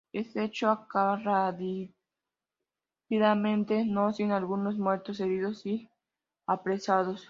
Este hecho acaba rápidamente, no sin algunos muertos, heridos y apresados.